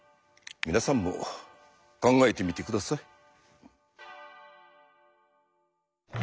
皆さんも考えてみて下さい。